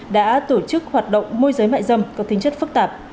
đã tổ chức hoạt động môi giới mại dâm có tính chất phức tạp